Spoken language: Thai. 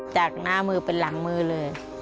จากหน้ามือเป็นหลังมือเลย